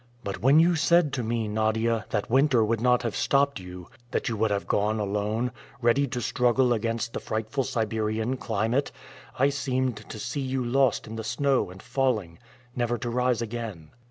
But when you said to me, Nadia, that winter would not have stopped you, that you would have gone alone, ready to struggle against the frightful Siberian climate, I seemed to see you lost in the snow and falling, never to rise again."